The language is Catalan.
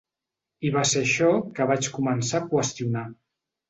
I va ser això que vaig començar a qüestionar.